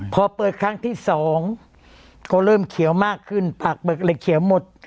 พอเปิดครั้งที่สองก็เริ่มเขียวมากขึ้นผักเบิกเลยเขียวหมด